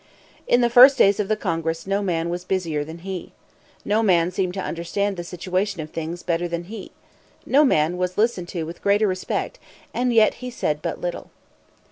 In the first days of the Congress no man was busier than he. No man seemed to understand the situation of things better than he. No man was listened to with greater respect; and yet he said but little.